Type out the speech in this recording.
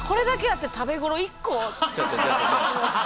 ちょっとちょっと。